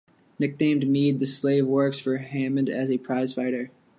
Nicknamed "Mede", the slave works for Hammond as a prize-fighter.